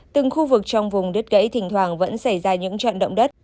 từng khu vực trong vùng đất gãy thỉnh thoảng vẫn xảy ra những trận động đất